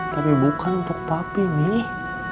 tapi bukan untuk tapi nih